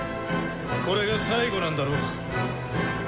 これが最後なんだろ？